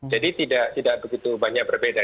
tidak begitu banyak berbeda